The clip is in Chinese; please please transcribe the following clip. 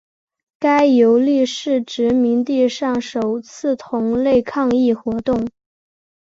该游利是殖民地上首次同类抗议活动。